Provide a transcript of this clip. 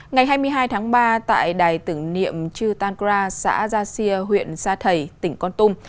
ngày hai mươi hai tháng ba tại đài tưởng niệm chư tangra xã gia sia huyện sa thầy tỉnh con tum